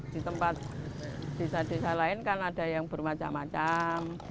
di tempat desa desa lain kan ada yang bermacam macam